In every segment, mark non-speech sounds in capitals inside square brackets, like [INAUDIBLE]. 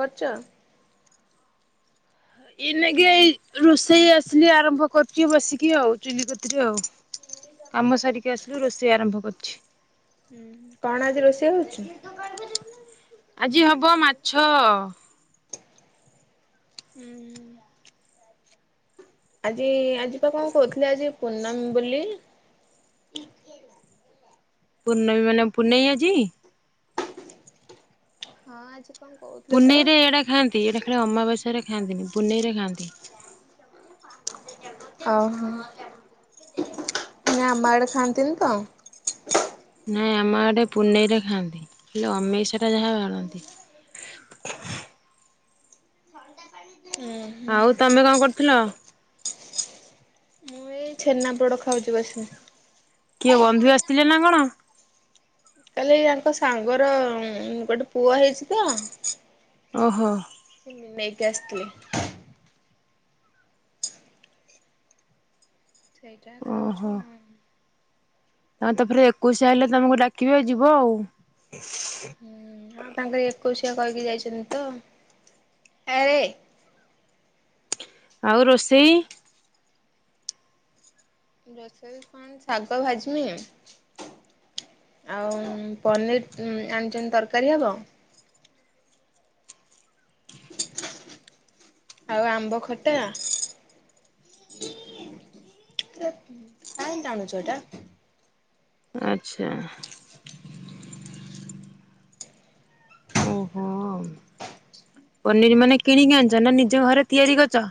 ବଚ ଏଇ ନାଗି ଏଇ ରୋଷେଇ ଆସିଲି ଆରମ୍ଭ କରୁଚି ବସିକି ଆଉ ଚୁଲି କତିରେ ଆଉ। କାମ ସାରିକି ଆସିଲୁ ରୋଷେଇ ଆରମ୍ଭ କରିୁଚି। କଣ ଆଜି ରୋଷେଇ ହଉଚି? ଆଜି ହବ ମାଛ। ହୁଁ। ଆଜି ଆଜି ବା କଣ କହୁଥିଲେ ଆଜି ପୂର୍ଣମୀ ବୋଲି? ପୂର୍ଣ୍ଣମୀ ମାନେ ପୂନେଇଁ ଆଜି? ହଁ ଆଜି କଣ କହୁଥିଲେ ତ ପୁନେଇରେ ଏଇଟା ଖାଆନ୍ତି ଏଇଟା ଖାଲି ଅମବାସ୍ୟାରେ ଖାଆନ୍ତିନି ପୁନେଇଁ ରେ ଖାଆନ୍ତି। ଓହୋ ନା ଆମ ଆଡେ ଖାଆନ୍ତିନି ତ। ନାଇଁ ଆମ ଆଡେ ପୁନେଇରେ ଖାଆନ୍ତି ହେଲେ ଅମେଇସିଆ ଟା ଯାହା ବାରନ୍ତି। ହୁଁ। ହୁଁ ଆଉ ତମେ କଁ କରୁଥୁଲ। ମୁଁ ଏଇ ଛେନା ପୋଡ ଖାଉଚୁ ବସିକି। କିଏ ବନ୍ଧୁ ଆସିଥିଲେ ନା କଣ? କାଲି ଆଙ୍କ ସାଙ୍ଗର ଗୋଟେ ପୁଅ ହେଇଚି ତ ଓହୋ। ସେ ନେ ନେଇକି ଆସିଥିଲେ। ସେଇଟା ଖାଉଛୁ ହଁ। ଆ ତାପରେ ଏକୋଶିଆ ଆଇଲେ ତମକୁ ଡାକିବେ ଯିବ ଆଉ। ହୁଁ ହଁ ତାଙ୍କ ଏକୋଇଶିଆ କହିକି ଯାଇଛନ୍ତି ତ ଆ ରେ। ଆଉ ରୋଷେଇ? ରୋଷେଇ ରେ କଣ ଶାଗ ଭାଜିମି। ଆଉ ପନିର୍ ଆଣିଛନ୍ତି ତରକାରୀ ହବ। ଆଉ ଆମ୍ବ ଖଟା। କାଇ ଟାଣୁଛୁ ଏଟା। ଆଚ୍ଛା। ଓହୋ ପନିର୍ ମାନେ କିଣିକି ଆଣିଛ ନା ନିଜ ଘରେ ତିଆରି କରିଚ?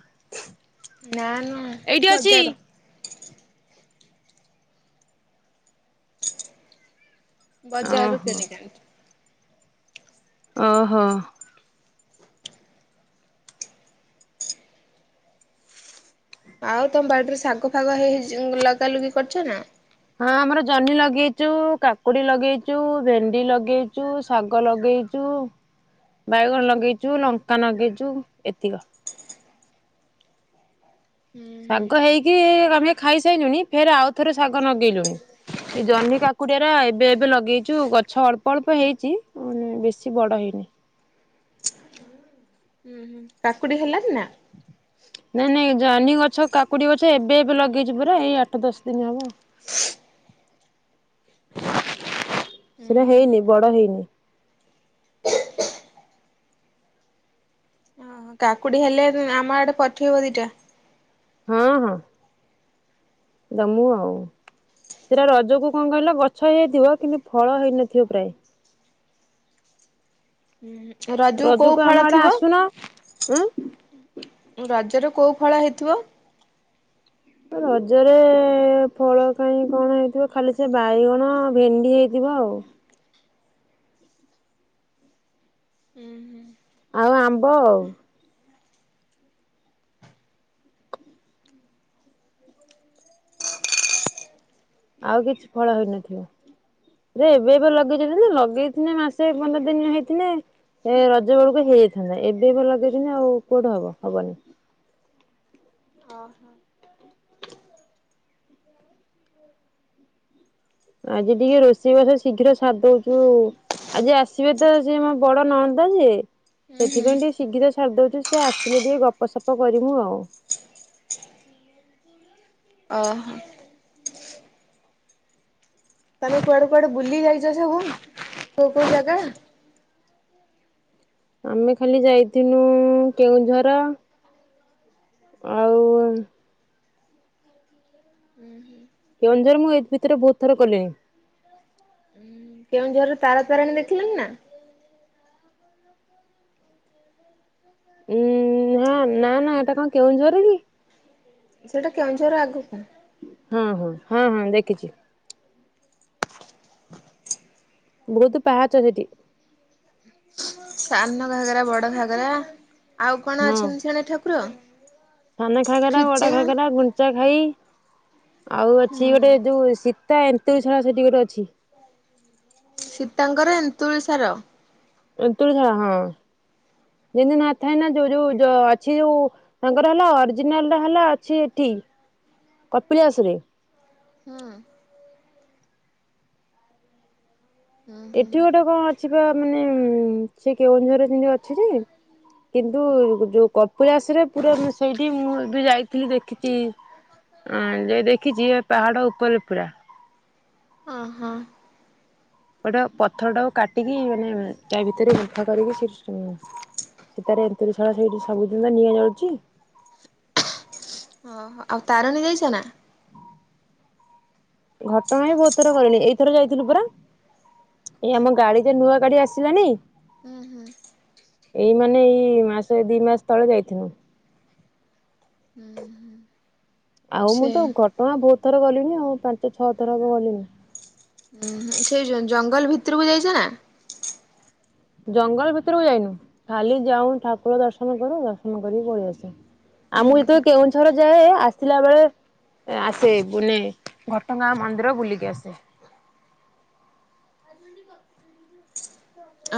ନା ନା ଅଛି। ବଜାର। ବଜାରରୁ ଓହୋ କିଣିିକି ଆଣିଛୁ। ଓହୋ। ଆଉ ତମ ବାଡ଼ିରେ ଶାଗ ଫାଗ ହେଇ ଲଗା ଲୁଗି କରିୁଛ ନା? ହଁ ଆମର ଜହ୍ନି ଲଗେଇଚୁ, କାକୁଡି ଲଗେଇଚୁ, ଭେଣ୍ଡି ଲଗେଇଚୁ, ଶାଗ ଲଗେଇ ଛୁ ବାଇଗଣ ଲଗେଇଛୁ, ଲଙ୍କା ଲଗେଇଛୁ ଏତିକ। ହୁଁ ଶାଗ ହେଇକି ଆମେ ଖାଇସାଇଲୁଣି ଫେର୍ ଆଉ ଥରେ ଶାଗ ନଗେଇଲୁଣି। ଏ ଜହ୍ନି କାକୁଡିରା ଏବେ ଏବେ ଲଗେଇଚୁ ଗଛ ଅଳ୍ପ ଅଳ୍ପ ହେଇଚି। ବେଶୀ ବଡ଼ ହେଇନି। କାକୁଡି ହେଲାଣି ନା? ନାଇଁ ନାଇଁ ଜହ୍ନି ଗଛ, କାକୁଡି ଗଛ ଏବେ ଏବେ ଲଗେଇଚୁ ପରା ଏଇ ଆଠ ଦଶ ଦିନ ହବ। ସେଟା ହେଇନି ବଡ ହେଇନି। ଓହୋ କାକୁଡି ହେଲେ ଆମଆଡେ ପଠେଇବ ଦିଟା। ହଁ ହଁ ଦମୁ ଆଉ। ସେଇଟା ରଜ କୁ କଣ କହିଲ ଗଛ ହେଇଯାଇଥିବ କିନ୍ତୁ ଫଳ ହେଇନଥିବ ପ୍ରାୟେ। ହୁଁ ର ରଜୁକୁ ଆମଆଡେ ଆସୁନ ଉଁ। ରଜରେ କୋଉ ଫଳ ହେଇଥିବ? ରଜରେ ଫଳ କାଇଁ କଣ ହେଇଥିବ ଖାଲି ସେ ବାଇଗଣ ଭେଣ୍ଡି ହେଇଥିବ ଆଉ। ହୁଁ। ଆଉ ଆମ୍ବ ଆଉ। ଆଉ କିଛି ଫଳ ହେଇନଥିବ। ସେ ଏବେ ଏବେ ଲଗେଇଚନ୍ତି ଯେ ଲଗେଇଥିନେ ମାସେ ପନ୍ଦରଦିନେ ହେଇଥିନେ। ଏ ରଜ ବେଳୁକୁ ହେଇଯାଇଥାନ୍ତା ଏବେ ପା ଲଗେଇଚନ୍ତି ଆଉ କୁଆଡୁ ହବ ହବନି। ହଁ। ଆଜି ଟିକେ ରୋଷେଇବାସ ଶୀଘ୍ର ସାର ଦଉଛୁ ଆଉ। ଆଜି ଆସିବେ ତ ସେ ମୋ ବଡନଣନ୍ଦ ଯିଏ। ହୁଁ ହୁଁ ସେଥିପାଇଁ ଟିକେ ଶୀଘ୍ର ସାରିଦଉଚୁ ସେ ଆସିଲେ ଟିକେ ଗପସପ କରିମୁ ଆଉ। ଅହ। ତମେ କୁଆଡେ କୁଆଡେ ବୁଲିଯାଇଚ ସବୁ କୋଉ କୋଉ ଯାଗା? ଆମେ ଖାଲି ଯାଇଥିନୁ କେଉଁଝର। ଆଉ। ହୁଁ ହୁଁ। କେଉଁଝର ମୁଁ ଏଦ୍ ଭିତରେ ବହୁତଥର ଗଲିଣି। କେଉଁଝରରେ ତାରାତାରେଣୀ ଦେଖିଲୁଣିିନା? ଉଁ ହଁ ନା ନା ଏଟା କଣ କେଉଁଝର କି। ସେଟା କେଉଁଝର ଆଗୁକୁ। ହଁ ହଁ ହଁ ହଁ ଦେଖିଛି। ବହୁତୁ ପାହାଚ ସେଠି। ସାନ ଘାଗରା ବଡ ଘାଗରା ଆଉ କଣ ହଁ। ଅଛନ୍ତି ସିଆଡେ ଠାକୁର। ସାନ ଘାଗରା, ବଡ ଖିଚିଙ୍ଗ ଘାଗରା, ଗୁଣ୍ଡିଚାଖାଇ ଆଉ ଅଛି ହୁଁ ଗୋଟେ ଯୋଉ ଶୀ। ସୀତା ଏନ୍ତୁଡିଶାଳ ସେଠି ଗୋଟେ ଅଛି। ସୀତାଙ୍କର ଏନ୍ତୁଡି ଶାଳ। ଏନ୍ତୁଡ଼ି ଶାଳ ହଁ। ଯେମିତି ନଥାଏନା ଯୋଉ ଯୋଉ ଅଛି ଯୋଉ। ତାଙ୍କର ହେଲା ଅରଜିନାଲଟା ହେଲା ଅଛି ଏଠି କପିଳାସରେ। ହଁ। ହୁଁ ହୁଁ ଏଠି ଗୋଟେ କଣ ଅଛି ପା ମାନେ ସେ କେଉଁଝରରେ ସେମିତି ଅଛି ଯେ। କିନ୍ତୁ ଯୋଉ କପିଳାସରେ ପୁରା ମାନେ ସେଇଠି ମୁଁ ଏବେ ଯାଇଥିଲି ଦେଖିଚି। ହଁ ଯାଇ ଦେଖିଚି ଇଏ ପାହାଡ଼ ଉପରେ ପୁରା। ଓହୋ। ଗୋଟାଏ ପଥରଟାକୁ କାଟିକି ମାନେ ତା ଭିତରେ ଗୁମ୍ଫା କରିକି ସେଠି। ସୀତାର ଏନ୍ତୁଡ଼ି ଶାଳ ସେଇଠି ସବୁଦିନି ପାଇଁ ନିଆଁ ଜଳୁଛି। ଓହୋ ଆଉ ତାରେଣୀ ଯାଇଚ ନା?। ଘଟଗାଁ ବି ବହୁତଥର ଗଲିଣି ଏଇଥର ଯାଇଥିଲୁ ପରା। ଏଇ ଆମ ଗାଡିରେ ନୂଆ ଗାଡି ଆସିଲାଣିି। ହୁଁ ହୁଁ। ଏଇ ମାନେ ଏଇ ମାସେ ଦିମାସ ତଳେ ଯାଇଥିନୁ। ହୁଁ ହୁଁ। ଆଉ ମୁଁ ତ ଘଟଗାଁ ବହୁତଥର ଗଲିଣିି ଆଉ ପାଞ୍ଚ ଛଅ ଥର ହବ ଗଲିଣିି। ହୁଁ ସେଇ ଜଙ୍ଗଲ ଭିତୁରୁକୁ ଯାଇଚ ନା?। ଜଙ୍ଗଲ ଭିତୁରୁକୁ ଯାଇନୁ ଖାଲି ଯାଉ ଠାକୁର ଦର୍ଶନ କରୁ ଦର୍ଶନ କରିକି ପଳେଇଆସୁ। ଆ ମୁଁ ଯେତେବଳେ କେଉଁଝର ଯାଏ ଆସିଲାବେଳେ। ଆସେ ମାନେ ଘଟଗାଁ ମନ୍ଦିର ବୁଲିକି ଆସେ।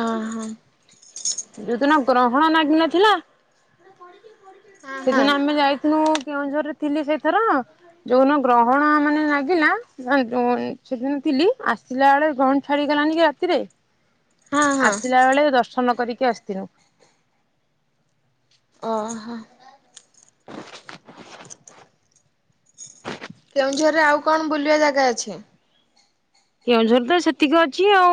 ଓହୋ। ଯୋଉଦିନ ଗ୍ରହଣ ନାଗି ନ ଥିଲା। ହଁ ହଁ ସେଦିନ ଆମେ ଯାଇଥିଲୁ କେଉଁଝରରେ ଥିଲି ସେଇଥର ଯୋଉନ ଗ୍ରହଣ ମାନେ ଲାଗିଲା। ସେଦିନ ଥିଲି ଆସିଲା ବେଳେ ଗ୍ରହଣ ଛାଡ଼ିଗଲାନି କି ରାତିରେ। ହଁ ହଁ ଆସିଲା ବେଳେ ଦର୍ଶନ କରିକି ଆସିଥିଲୁ। ଓହୋ। କେଉଁଝରରେ ଆଉ କଣ ବୁଲିବା ଜାଗା ଅଛି। କେଉଁଝର ତ ସେତିକି ଅଛି ଆଉ।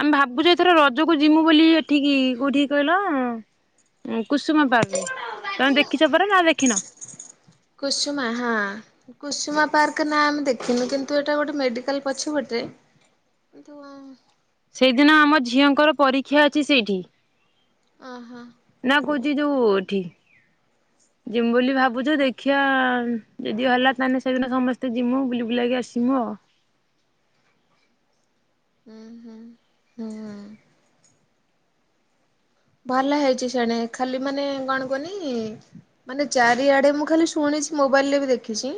ଆମେ ଭାବୁଛୁ ଏଇଥର ରଜକୁ ଯିବୁ ବୋଲି ଏଠିକି କୋଉଠିକି କହିଲ। କୁସୁମ ପାର୍କତମେ ଦେଖିଛ ପରା ନା ଦେଖିନ। କୁସୁମା ହଁ। କୁସୁମା ପାର୍କ ନାଁ ଆମେ ଦେଖିନୁ କିନ୍ତୁ ଏଇଟା ଗୋଟେ ମେଡିକାଲ ପଛେ ପଟେ। କିନ୍ତୁ ଆ। ସେଇଦିନ ଆମ ଝିଅଙ୍କର ପରୀକ୍ଷା ଅଛି ସେଇଠି। ଓହୋ। ନା କହଉଛି ଯଉ ଏଠି। ଯିମୁ ବୋଲି ଭାବୁଚୁ ଦେଖିଆ ଯଦି ହେଲା ତାହେଲେ ସେଦିନ ସମସ୍ତେ ଯିମୁ ବୁଲି ବୁଲାକି ଆସିମୁ ଆଉ। ଉଁ, ହୁଁ। ଭଲ ହେଇଚି ଶେଣେ ଖାଲି ମାନେ କଣ କୁହନି ମାନେ ଚାରିଆଡେ ମୁଁ ଖାଲି ଶୁଣିଚି। ମୋବାଇଲରେ ବି ଦେଖିଚି।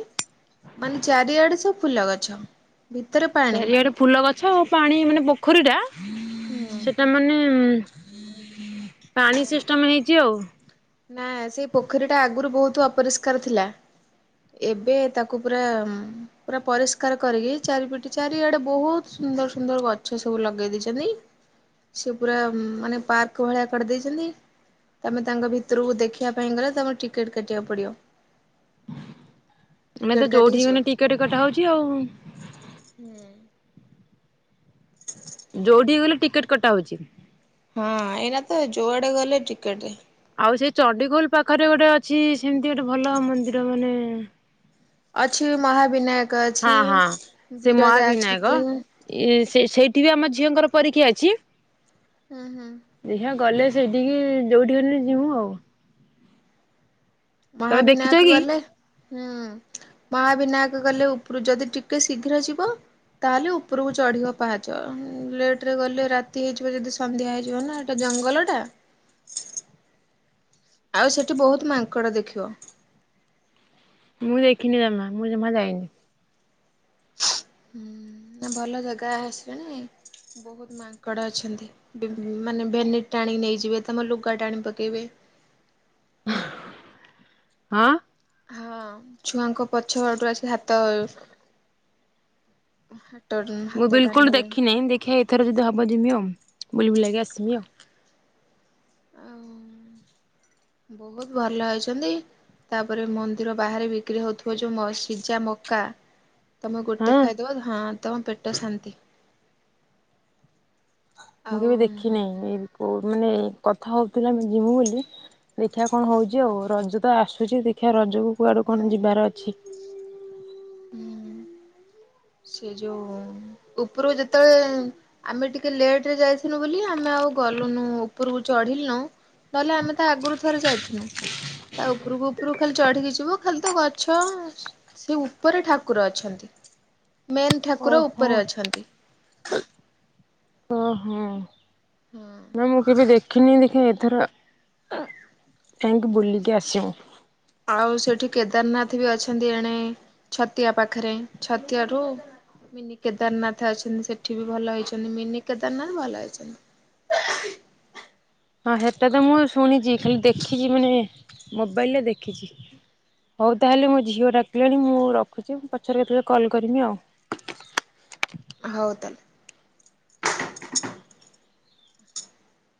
ମାନେ ଚାରିଆଡେ ସବୁ ଫୁଲ ଗଛ। ଭିତରେ ପା ଚାରିଆଡେ ଫୁଲ ଗଛ ଆଉ ପାଣି ମାନେ ପୋଖରୀ ଟା ହୁଁ। ସେଟା ମାନେ ପାଣି ସିଷ୍ଟମ ହେଇଚି ଆଉ। ନା ସେଇ ପୋଖରୀ ଟା ଆଗରୁ ବହୁତ ଅପରିଷ୍କାର ଥିଲା। ଏବେ ତାକୁ ପୁରା ମ ପୁରା ପରିଷ୍କାର କରିକି ଚାରିପିଟି ଚାରିଆଡେ ବହୁତ ସୁନ୍ଦର ସୁନ୍ଦର ଗଛ ସବୁ ଲଗେଇ ଦେଇଚନ୍ତି। ସେ ପୁରା ମାନେ ପାର୍କ ଭଳିଆ କରିଦେଇଚନ୍ତି। ତମେ ତାଙ୍କ ଭିତ ଭିତରକୁ ଦେଖିବା ପାଇଁ ଗଲେ ତମର ଟିକେଟ୍ କାଟିବାକୁ ପଡିବ। ଏଇନା ଟିକେଟ୍ ତ ଯୋଉଠିକ ଗଲେ ଟିକେଟ କଟା ହଉଚି ଆଉ। ହୁଁ। ହ ଯୋଉଠିକି ଗଲେ ଟିକେଟ କଟା ହଉଛି। ହଁ, ଏଇନା ତ ଯୋଆଡେ ଗଲେ ଟିକେଟେ। ଆଉ ସେ ଚଣ୍ଡିଖୋଲ ପାଖରେ ଗୋଟେ ଅଛି। ସିମିତି ଗୋଟେ ଭଲ ମନ୍ଦିର ମାନେ ଅଛି ମହାବିନାୟକ ହଁ ଅଛି, ବିରଜା ଅଛନ୍ତି। ଇ ସେ ସେଇଠି ବି ଆମ ଝିଅଙ୍କର ପରୀକ୍ଷା ଅଛି। ଉଁହୁଁ। ଦେଖିଆ ଗଲେ ସେଇଠିକି ଯୋଉଠିକି ହେଲେ ଯିବୁ ଆଉ। ତମେ ଦେଖିଛ ମହାବିନାୟକ କି? ଗଲେ ହୁଁ, ମହାବିନାୟକ ଗଲେ ଉପରୁ ଯଦି ଟିକେ ଶୀଘ୍ର ଯିବ ତାହାଲେ ଉପରକୁ ଚଢିବ ପାହାଚ। ଲେଟ ରେ ଗଲେ ରାତି ହେଇଯିବ ଯଦି ସନ୍ଧ୍ୟା ହେଇଯିବ ନା ହେଟା ଜଙ୍ଗଲଟା? ଆଉ ସେଠି ବହୁତ ମାଙ୍କଡ଼ ଦେଖିବ। ମୁଁ ଦେଖିନି ଜମା, ମୁଁ ଜମା ଯାଇନି। ହୁଁ, [UNINTELLIGIBLE] ଭଲ ଜାଗା ଆସିଲେଣି ବହୁତ ମାଙ୍କଡ଼ ଅଛନ୍ତି। ବିବି ମାନେ ଭେନିଟ ଟାଣିକି ନେଇଯିବେ ତମ ଲୁଗା ଟାଣି ପକେଇବେ। ହଁ ହଁ, ଛୁଆଙ୍କ ପଛ ପଟୁ ଆସିକି ହାତ ହାଟରନ [UNINTELLIGIBLE] ମୁଁ ବିଲକୁଲ ଦେଖିନେଇ ଦେଖିଆ ଏଥର ଯଦି ହବ ଯିମି ଆଉ ବୁଲି ବୁଲାକି ଆସିମି ଆଉ। ଆଉ ବହୁତ ଭଲ ହେଇଚନ୍ତି। ତାପରେ ମନ୍ଦିର ବାହାରେ ବିକ୍ରି ହଉଥିବା ଯୋଉ ମ ସିଜା ମକା ତମେ ଗୋଟେ ହଁ। ଖାଇଦବ ହଁ, ତମ ପେଟ ଶାନ୍ତି। ମୁଁ କେବେ ଦେଖିନେଇ। ଆଉ ଏ କୋଉ ମାନେ କଥା ହଉଥିଲା ଆମେ ଯିମୁ ବୋଲି ଦେଖିବା କଣ ହଉଚି ଆଉ। ରଜ ତ ଆସୁଚି ଦେଖିବା ରଜକୁ କୁଆଡୁ କଣ ଯିବାର ଅଛି। ହୁଁ। ସେ ଯୋଉ ଉପରୁ ଯେତେବେଳେ ଆମେ ଟିକେ ଲେଟ ରେ ଯାଇଥିନୁ ବୋଲି ଆମେ ଆଉ ଗଲୁନୁ ଉପରକୁ ଚଢିଲୁନୁ ନହେଲେ ଆମେ ତ ଆଗରୁ ଥରେ ଯାଇଥିନୁ। ତା ଉପରକୁ ଉପରକୁ ଖାଲି ଚଢିକି ଯିବ, ଖାଲି ତ ଗଛ ସେ ଉପରେ ଠାକୁର ଅଛନ୍ତି। ମେନ୍ ଠାକୁର ଓହୋ। ଉପରେ ଅଛନ୍ତି। ଓହୋ। ହଁ। ନା ମୁଁ କେବେ ଦେଖିନି ଦେଖ ଏଥର ଯାଇକି ବୁଲିକି ଆସିବୁ। ଆଉ ସେଠି କେଦାରନାଥ ବି ଅଛନ୍ତି ଏଣେ ଛତିଆ ପାଖରେ ଛତିଆ ଠୁ ମିନି କେଦାରନାଥ ଅଛନ୍ତି ସେଠି ବି ଭଲ ହେଇଛନ୍ତି ମିନି କେଦାରନାଥ ଭଲ ହେଇଛନ୍ତି। ହଁ ହେଟା ତ ମୁଁ ଶୁଣିଛି ଖାଲି ଦେଖିଛି ମାନେ ମୋବାଇଲରେ ଦେଖିଛି। ହଉ ତାହେଲେ ମୋ ଝିଅ ଡାକିଲାଣି ମୁଁ ରଖୁଛି ମୁଁ ପଛରେ କେତେବେଳେ କଲ୍ କରିବି ଆଉ। ହଉ ତାହେଲେ।